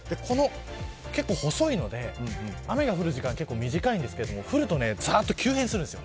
結構細いので、雨が降る時間短いんですけど降ると、ざっと急変します。